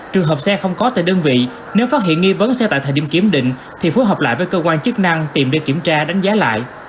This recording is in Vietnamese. trường hợp xe không có tại đơn vị nếu phát hiện nghi vấn xe tại thời điểm kiểm định thì phối hợp lại với cơ quan chức năng tìm để kiểm tra đánh giá lại